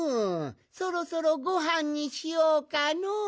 そろそろごはんにしようかの。